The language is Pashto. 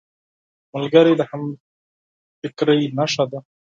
ملګری د همفکرۍ نښه ده